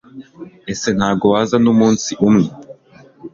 ese ntago waza n'umunsi umwe